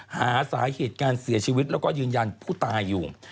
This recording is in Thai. หาสาเหตุการเสียชีวิตแล้วก็ยืนยันผู้ตายอยู่